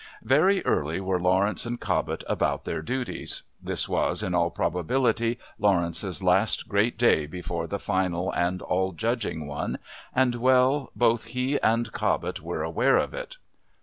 Very early were Lawrence and Cobbett about their duties. This was, in all probability, Lawrence's last Great Day before the final and all judging one, and well both he and Cobbett were aware of it.